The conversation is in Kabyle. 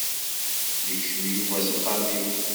Yekcem Yuba s axxam-iw.